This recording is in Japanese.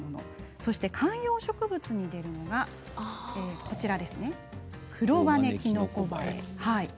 そして観葉植物などに出るのがクロバネキノコバエ。